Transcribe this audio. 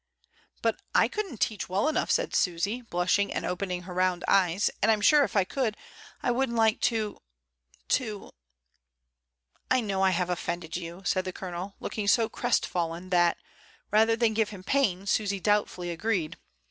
"But I couldn't teach well enough," said Susy, 86 MRS. DYMOND. blushing and opening her round eyes, "and Fm sure if I could, I wouldn't like to — to " "I know I have offended you," said the Colonel, looking so crestfallen that, rather than give him pain, Susy doubtfully agreed.